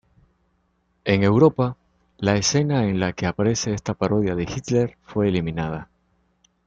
En Europa, la escena en la que aparece esta parodia de Hitler fue eliminada.